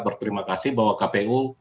berterima kasih bahwa kpu